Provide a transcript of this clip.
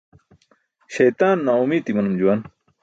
Śaytaan naaomiit imanum juwan.